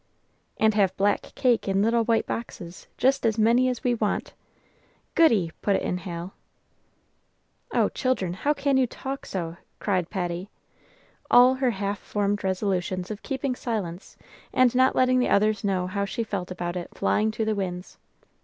"And have black cake in little white boxes, just as many as we want. Goody!" put in Hal. "Oh, children, how can you talk so?" cried Patty, all her half formed resolutions of keeping silence and not letting the others know how she felt about it flying to the winds.